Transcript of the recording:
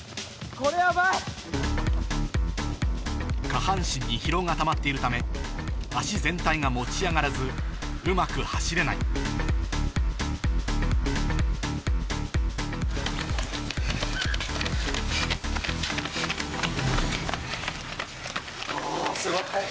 下半身に疲労がたまっているため足全体が持ち上がらずうまく走れないおすごい！